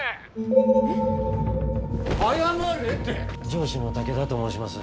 上司の武田と申します。